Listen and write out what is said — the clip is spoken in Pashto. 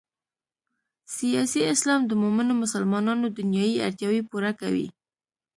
سیاسي اسلام د مومنو مسلمانانو دنیايي اړتیاوې پوره کوي.